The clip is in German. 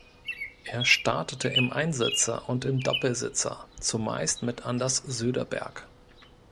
Er startete im Einsitzer und im Doppelsitzer, zumeist mit Anders Söderberg.